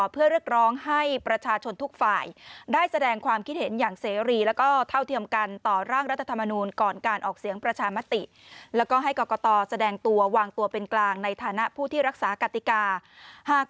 เพื่อเรียกร้องให้ประชาชนทุกฝ่าย